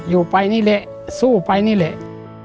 อยู่ไปนี่แหละสู้ไปนี่แหละ